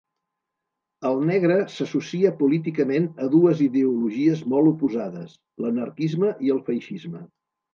El negre s'associa políticament a dues ideologies molt oposades: l'anarquisme i el feixisme.